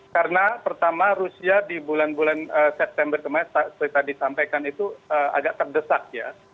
karena pertama rusia di bulan bulan september kemarin seperti tadi disampaikan itu agak terdesak ya